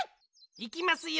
いきますよ！